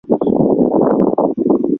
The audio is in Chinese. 拉帕尔马是达连省首府。